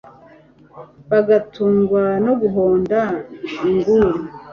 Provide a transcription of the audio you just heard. bagatungwa no guhonda inguri